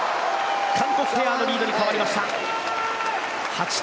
韓国ペアのリードに変わりました。